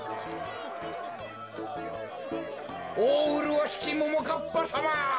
おおうるわしきももかっぱさま！